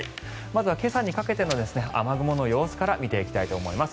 まずは今朝にかけての雨雲の様子から見ていきたいと思います